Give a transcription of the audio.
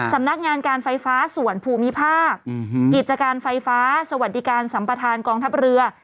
สำนักงานการไฟฟ้าส่วนภูมิภาคกิจการไฟฟ้าสวัสดิการสัมประธานกองทัพเรือ